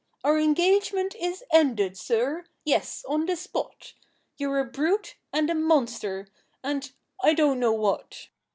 Our engagement is ended, sir yes, on the spot; You're a brute, and a monster, and I don't know what."